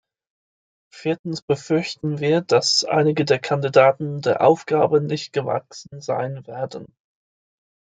Viertens befürchten wir, dass einige der Kandidaten der Aufgabe nicht gewachsen sein werden.